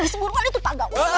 eh disemburungan itu pak gawel